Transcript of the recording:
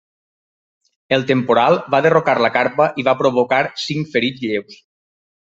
El temporal va derrocar la carpa i va provocar cinc ferits lleus.